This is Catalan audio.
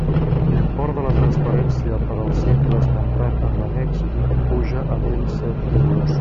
L'import de la transferència per al centre esmentat en l'annex puja a mil cent euros.